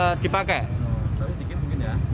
tadi sedikit mungkin ya